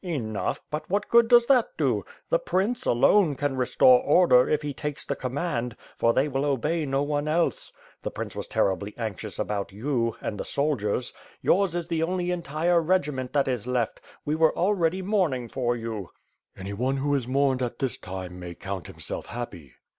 "Enough; but what good does that do? The prince, alone, can restore order, if he takes the command; for they will obey no one else. The prince was terribly anxious about you WITH FIRE AND SWORD. ^^y and the soldiers. Yours is the only entire regiment that is left. We were already mourning for you." "Anyone who is mourned at this time, may count himself happy."